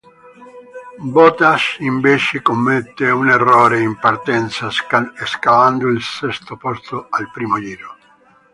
Bottas invece commette un errore in partenza scalando al sesto posto al primo giro.